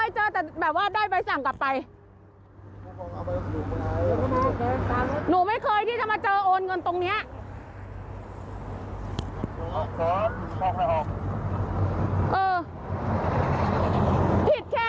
ทีนี้พันหนึ่งอะแล้วเมื่อกี้พี่คนนั้นเสียค่าปรับไป